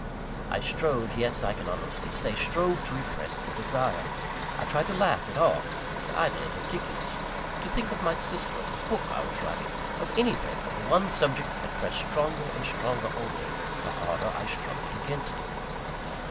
I strove yes, I can honestly say, strove to repress the desire. I tried to laugh it off, as idle and ridiculous; to think of my sister, of the book I was writing, of anything but the one subject that pressed stronger and stronger on me, the harder I struggled against it.